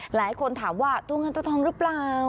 หลายคนถามว่าตัวเงินตัวทองหรือเปล่า